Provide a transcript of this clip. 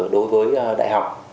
đối với đại học